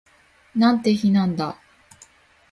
なんて日なんだ